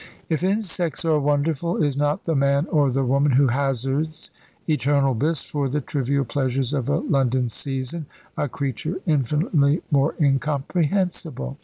If insects are wonderful, is not the man or the woman who hazards eternal bliss for the trivial pleasures of a London season a creature infinitely more incomprehensible?